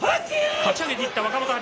かち上げていった、若元春。